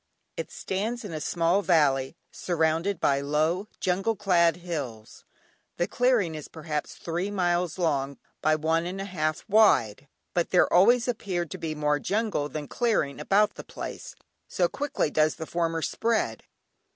It stands in a small valley, surrounded by low jungle clad hills. The clearing is perhaps three miles long by one and a half wide, but there always appeared to be more jungle than clearing about the place, so quickly does the former spread.